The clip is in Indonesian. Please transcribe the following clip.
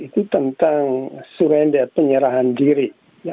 itu tentang surenda penyerahan diri